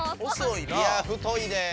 いや太いで。